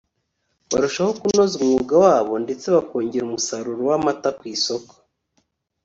barushaho kunoza umwuga wabo ndetse bakongera umusaruro w’amata ku isoko